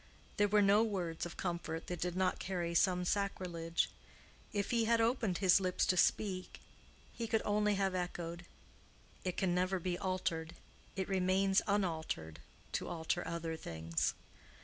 There were no words of comfort that did not carry some sacrilege. If he had opened his lips to speak, he could only have echoed, "It can never be altered—it remains unaltered, to alter other things."